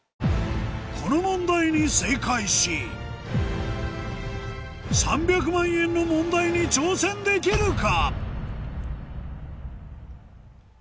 この問題に正解し３００万円の問題に挑戦できるか？